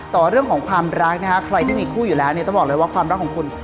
ต่อเรื่องของความรักนะคะใครที่มีคู่อยู่แล้วเนี่ยต้องบอกเลยว่าความรักของคุณ